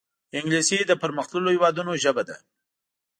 انګلیسي د پرمختللو هېوادونو ژبه ده